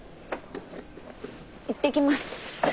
いってきます。